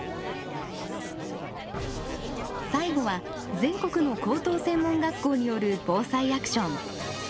最後は全国の高等専門学校によるＢＯＳＡＩアクション。